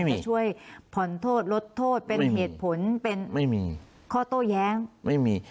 ให้ช่วยผ่อนโทษลดโทษเป็นเหตุผลเป็นไม่มีข้อโต้แย้งไม่มี